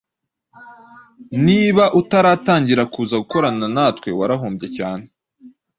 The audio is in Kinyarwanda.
Niba utaratangira kuza gukorana natwe warahombye cyane